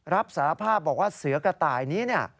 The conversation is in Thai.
รับสารภาพบอกว่าเสือกระต่ายนี้เนี่ย